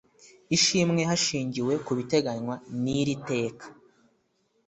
ishimwe hashingiwe ku bitegenywa n iri teka